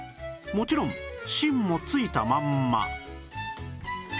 もちろん芯も付いたまんま